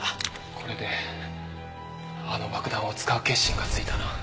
これであの爆弾を使う決心がついたな。